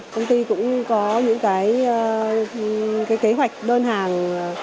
công ty cũng có những kế hoạch đơn hàng